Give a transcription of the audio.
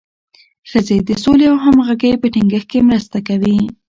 ښځې د سولې او همغږۍ په ټینګښت کې مرسته کوي.